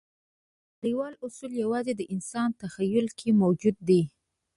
نړیوال اصول یواځې د انسان تخیل کې موجود دي.